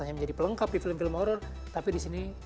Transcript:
hanya menjadi pelengkap di film film horror tapi disini